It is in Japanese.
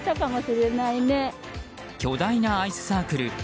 巨大なアイスサークル